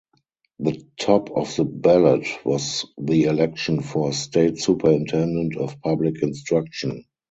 The top of the ballot was the election for state Superintendent of Public Instruction.